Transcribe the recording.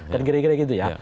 dan kira kira gitu ya